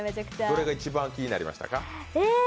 どれが一番気になりましたか？